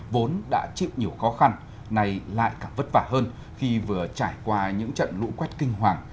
vốn đã chịu nhiều khó khăn nay lại càng vất vả hơn khi vừa trải qua những trận lũ quét kinh hoàng